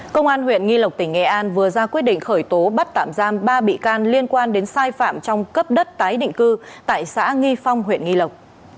công an huyện nghi lộc tỉnh nghệ an vừa ra quyết định khởi tố bắt tạm giam ba bị can liên quan đến sai phạm trong cấp đất tái định cư tại xã nghi phong huyện nghi lộc